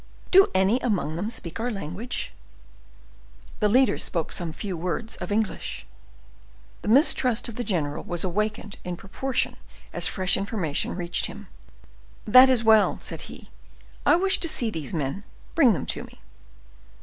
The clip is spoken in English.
"Do any among them speak our language?" "The leader spoke some few words of English." The mistrust of the general was awakened in proportion as fresh information reached him. "That is well," said he. "I wish to see these men; bring them to me."